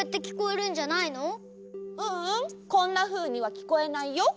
こんなふうにはきこえないよ。